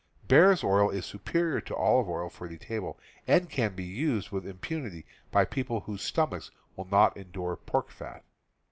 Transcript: Bear's oil is superior to olive oil for the table, and can be used with impunity by people whose stomachs will not endure pork fat.